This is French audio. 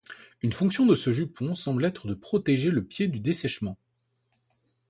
Une fonction de ce jupon semble être de protéger le pied du dessèchement.